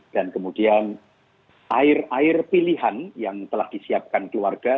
dan kemudian air air pilihan yang telah disiapkan di warga